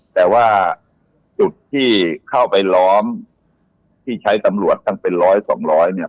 แต่ว่าจุดที่เข้าไปล้อมที่ใช้ตำรวจตั้งเป็นร้อยสองร้อยเนี่ย